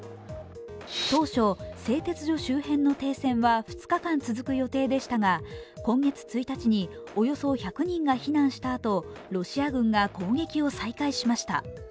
当初、製鉄所周辺の停戦は２日間続く予定でしたが、今月１日におよそ１００人が避難したあとロシア軍が攻撃を再開しました。